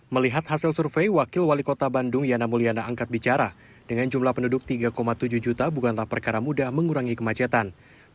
melihat hasil survei wakil wali kota bandung yana mulyana angkat bicara dengan jumlah penduduk tiga tujuh juta bukanlah perkara mudah mengurangi kemacetan